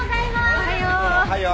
おはよう。